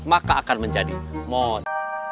maka akan menjadi mod